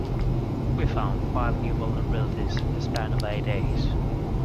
We found five new vulnerabilities in the span of eight days.